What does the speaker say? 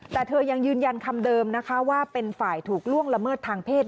แต่เธอยังยืนยันคำเดิมนะคะว่าเป็นฝ่ายถูกล่วงละเมิดทางเพศ